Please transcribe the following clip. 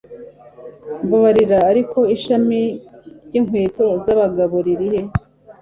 mbabarira, ariko ishami ryinkweto zabagabo ririhe